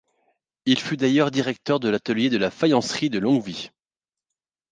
Il fut d'ailleurs directeur de l'atelier de la faïencerie de Longwy.